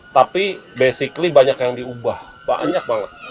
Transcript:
tapi basically banyak yang diubah banyak banget